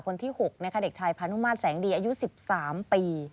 คนที่๖นะคะเด็กชายพานุมาตรแสงดีอายุ๑๓ปี